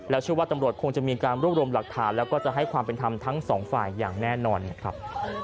เชื่อว่าตำรวจคงจะมีการรวบรวมหลักฐานแล้วก็จะให้ความเป็นธรรมทั้งสองฝ่ายอย่างแน่นอนนะครับ